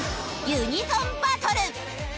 ユニゾンバトル！